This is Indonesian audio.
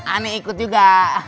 anak ikut juga